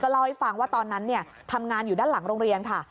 เล่าให้ฟังว่าตอนนั้นทำงานอยู่ด้านหลังโรงเรียนค่ะ